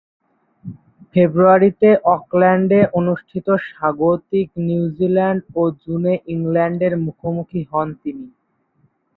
ফেব্রুয়ারিতে অকল্যান্ডে অনুষ্ঠিত স্বাগতিক নিউজিল্যান্ড ও জুনে ইংল্যান্ডের মুখোমুখি হন তিনি।